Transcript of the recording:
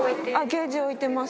ケージ置いてます。